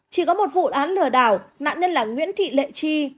chỉ có một vụ án lừa đảo nạn nhân là nguyễn thị lệ chi